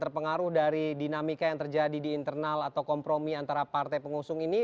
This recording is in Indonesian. terpengaruh dari dinamika yang terjadi di internal atau kompromi antara partai pengusung ini